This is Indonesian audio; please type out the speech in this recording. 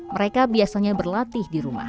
mereka biasanya berlatih di rumah